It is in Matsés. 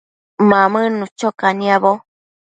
Mamënnu cho caniabo